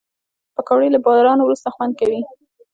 پکورې له باران وروسته خوند کوي